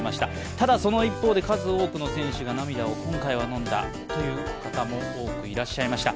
ただ、その一方で数多くの選手が涙を今回はのんだという方も多くいらっしゃいました。